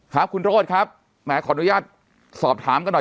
ครับคุณโรธครับแหมขออนุญาตสอบถามกันหน่อย